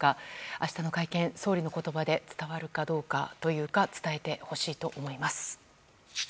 明日の会見、総理の言葉で伝わるかどうか。というか伝えてほしいと思います。